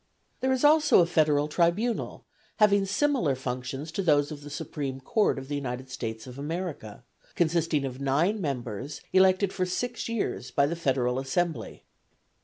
There is also a federal tribunal, having similar functions to those of the supreme court of the United States of America, consisting of nine members elected for six years by the federal assembly.